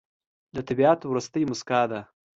د طبیعت وروستی موسکا ده